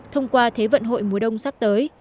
thông qua thế vận hội mùa đông sắp tới